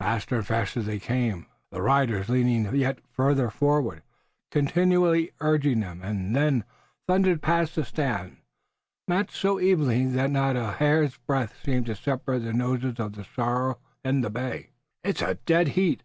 Faster and faster they came, their riders leaning yet farther forward, continually urging them, and they thundered past the stand, matched so evenly that not a hair's breadth seemed to separate the noses of the sorrel and the bay. "It's a dead heat!"